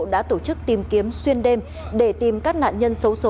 đã tổ chức tìm kiếm xuyên đêm để tìm các nạn nhân xấu xố gần với khuôn